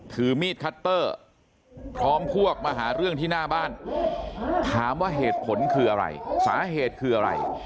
ถือมีดคัตเตอร์พร้อมพวกมาหาเรื่องที่หน้าบ้านถามว่าเหตุผลคืออะไรสาเหตุคืออะไร